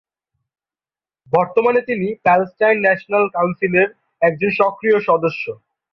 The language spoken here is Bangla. বর্তমানে তিনি "প্যালেস্টাইন ন্যাশনাল কাউন্সিলের" একজন সক্রিয় সদস্য।